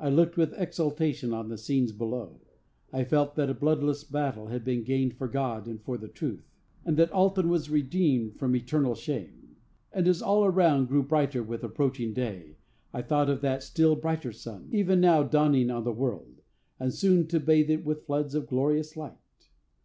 I looked with exultation on the scenes below. I felt that a bloodless battle had been gained for God and for the truth; and that Alton was redeemed from eternal shame. And as all around grew brighter with approaching day, I thought of that still brighter sun, even now dawning on the world, and soon to bathe it with floods of glorious light.